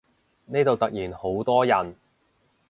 呢度突然好多人